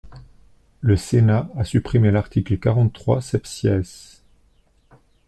Le Sénat a supprimé l’article quarante-trois septies.